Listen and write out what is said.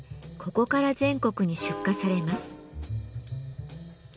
ここから全国に出荷されます。